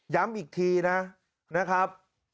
ย้ำอีกทีนะครับ